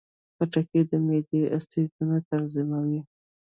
خټکی د معدې اسیدونه تنظیموي.